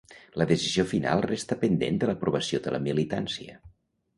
La decisió final resta pendent de l’aprovació de la militància.